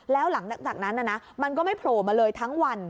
แล้วหลังจากนั้นมันก็ไม่โผล่มาเลยทั้งวัน